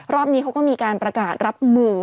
รอบนี้เขาก็มีการประกาศรับมือ